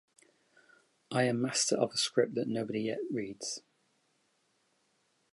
I am master of a script that nobody yet reads.